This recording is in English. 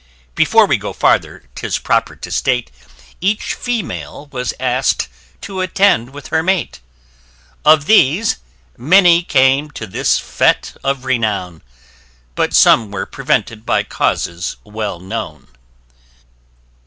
Before we go farther, 'tis proper to state, Each female was asked to attend with her mate: Of these, many came to this fête of renown, But some were prevented by causes well known.